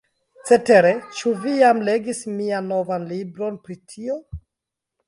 Cetere, ĉu vi jam legis mian novan libron pri tio?